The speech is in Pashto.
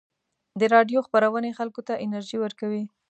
د راډیو خپرونې خلکو ته انرژي ورکوي.